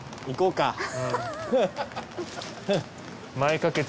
行こうか。